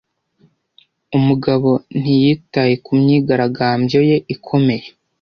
Umugabo ntiyitaye ku myigaragambyo ye ikomeye.